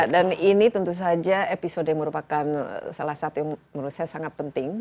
dan ini tentu saja episode yang merupakan salah satu yang menurut saya sangat penting